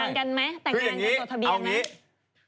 แต่งงานกันจบทะเบียนกันคืออย่างนี้เอาอย่างนี้